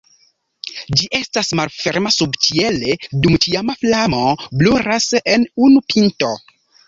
Ĝi estas malferma subĉiele dum ĉiama flamo brulas en unu pinto.